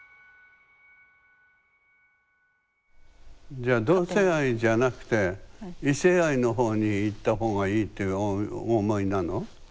じゃあ同性愛じゃなくて異性愛の方に行った方がいいってお思いなの？